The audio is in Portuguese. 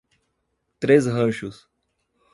Três Ranchos